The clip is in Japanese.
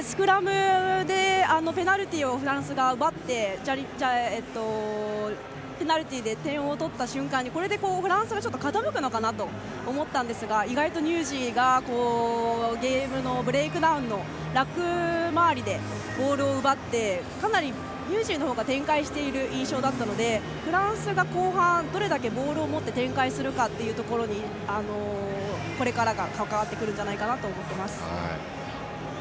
スクラムでペナルティーをフランスが奪って点を取った瞬間にこれでフランスに傾くのかなと思ったんですが意外とニュージーランドがゲームのブレイクダウンのラック周りでボールを奪ってニュージーランドの方が展開している印象だったのでフランスが後半どれだけボールを持って展開するかというところにこれからの展開が関わってくると思います。